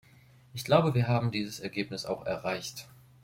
Ich glaube, wir haben dieses Ergebnis auch erreicht.